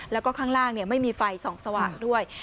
แล้วก็ข้างล่างไม่มีไฟส่องสว่างด้วย